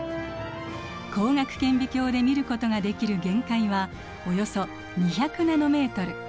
光学顕微鏡で見ることができる限界はおよそ２００ナノメートル。